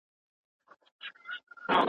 افغانه جار دي تر همت سم